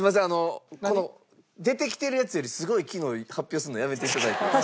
あのこの出てきてるやつよりすごい機能発表するのやめて頂いていいです？